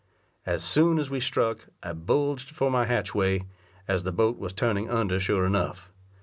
As soon as we struck, I bulged for my hatchway, as the boat was turning under sure enough.